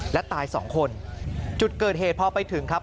และตายสองคนจุดเกิดเหตุพอไปถึงครับ